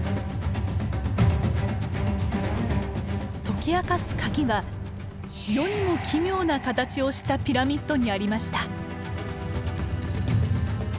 解き明かすカギは世にも奇妙な形をしたピラミッドにありました。